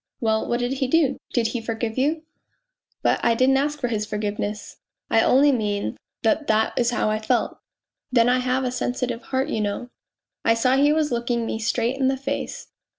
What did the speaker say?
" Well, what did he do did he forgive you ?"" But I didn't ask his forgiveness ... I only mean that that is how I felt. Then I have a sensitive heart, you know. I saw he was looking me straight in the face.